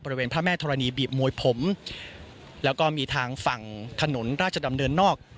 พระแม่ธรณีบีบมวยผมแล้วก็มีทางฝั่งถนนราชดำเนินนอก